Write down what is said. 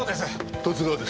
十津川です。